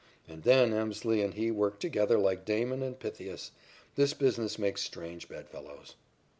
And then Emslie and he worked together like Damon and Pythias. This business makes strange bed fellows.